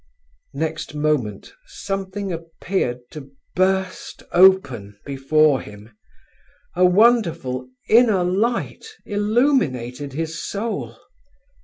Next moment something appeared to burst open before him: a wonderful inner light illuminated his soul.